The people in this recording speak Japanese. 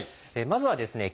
まずはですね